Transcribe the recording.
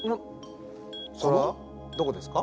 それはどこですか？